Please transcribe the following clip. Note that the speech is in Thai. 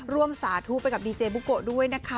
สาธุไปกับดีเจบุโกะด้วยนะคะ